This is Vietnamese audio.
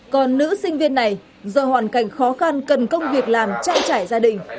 còn nữ sinh viên này do hoàn cảnh khó khăn cần công việc làm chạy chảy gia đình